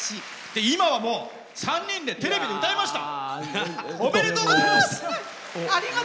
今は、もう３人でテレビで歌いました。